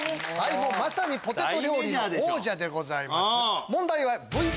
まさにポテト料理の王者でございます。